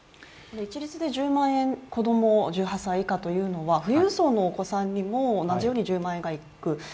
一律で１０万円、子供、１８歳以下というのは富裕層のお子さんにも同じように１０万円がいく？